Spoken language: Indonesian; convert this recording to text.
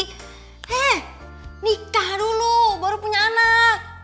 hei nikah dulu baru punya anak